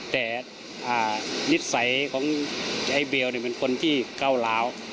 แต่นิสัยของไอ้เบลเป็นคนที่ก้าวร้าว